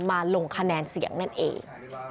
ลงคะแนนเสียงนั่นเอง